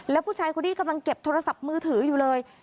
แล้วผู้ชายคนนี้กำลังเก็บโทรศัพท์มือถืออยู่เลย